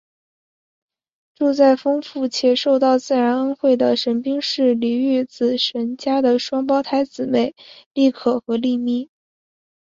住在丰富且受到自然恩惠的神滨市里御子神家的双胞胎姊妹莉可和莉咪。